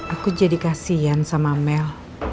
aku jadi kasian sama mel